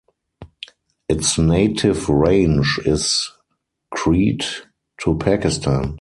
Its native range is Crete to Pakistan.